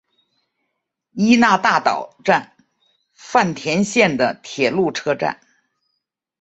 伊那大岛站饭田线的铁路车站。